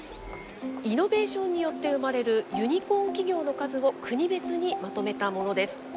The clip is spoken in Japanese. イノベーションによって生まれるユニコーン企業の数を国別にまとめたものです。